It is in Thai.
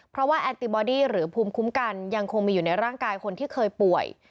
เพราะว่าแอนติบอดี้หรือภูมิคุ้มกันยังคงมีอยู่ในร่างกายคนที่เคยป่วย